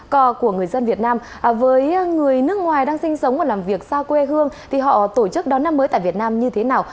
cò của người dân việt nam với người nước ngoài đang sinh sống và làm việc xa quê hương thì họ tổ chức đón năm mới tại việt nam như thế nào